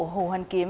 hồ hoàn kiếm